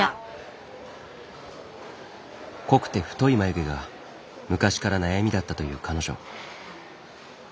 濃くて太い眉毛が昔から悩みだったという彼女。